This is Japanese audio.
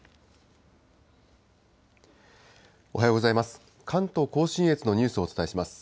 おはようございます。